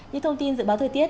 những thông tin dự báo thời tiết